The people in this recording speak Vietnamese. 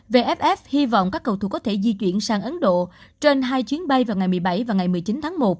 vff hy vọng các cầu thủ có thể di chuyển sang ấn độ trên hai chuyến bay vào ngày một mươi bảy và ngày một mươi chín tháng một